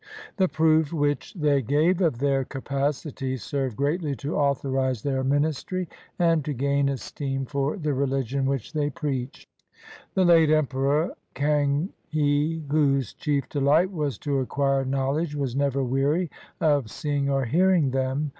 The proof which they gave of their capacity served greatly to authorize their ministry and to gain esteem for the religion which they preached. The late emperor, Cang hi, whose chief delight was to acquire knowledge, was never weary of seeing or hearing them.